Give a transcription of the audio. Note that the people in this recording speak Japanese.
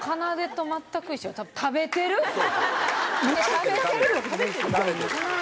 食べてる。